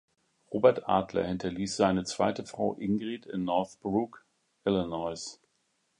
Robert Adler hinterließ seine zweite Frau Ingrid in Northbrook, Illinois.